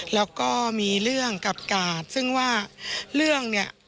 แล้วก็มีเรื่องกับกาดซึ่งว่าเรื่องเนี่ย